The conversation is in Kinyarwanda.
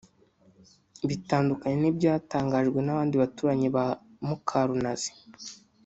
Bitandukanye n’ibyatangajwe n’abandi baturanyi ba Mukarunazi